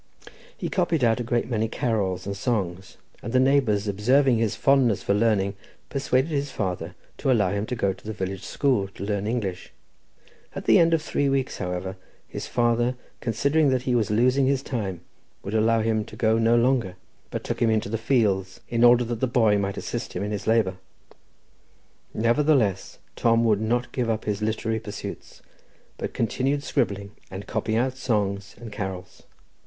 He copied out a great many carols and songs, and the neighbours, observing his fondness for learning, persuaded his father to allow him to go to the village school to learn English. At the end of three weeks, however, his father, considering that he was losing his time, would allow him to go no longer, but took him into the fields, in order that the boy might assist him in his labour. Nevertheless, Tom would not give up his literary pursuits, but continued scribbling, and copying out songs and carols.